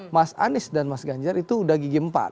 mas anies dan mas ganjar itu udah gigi empat